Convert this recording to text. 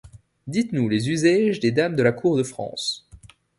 Dites-nous les usaiges des dames de la Court de France.